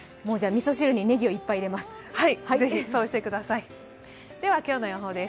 みそ汁にねぎをいっぱい入れいます。